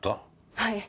はい。